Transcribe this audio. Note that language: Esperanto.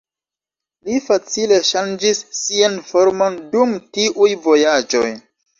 Li facile ŝanĝis sian formon dum tiuj vojaĝoj.